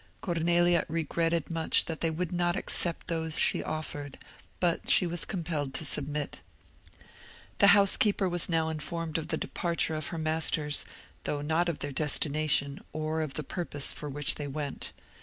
Cornelia regretted much that they would not accept those she offered, but she was compelled to submit. The housekeeper was now informed of the departure of her masters, though not of their destination, or of the purpose for which they went.